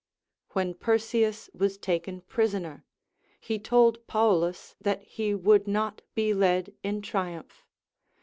AVhen Perseus was taken prisoner, he told Paulus that he would not be led in triumph.